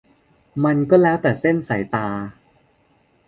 มันก็แล้วแต่เส้นสายตา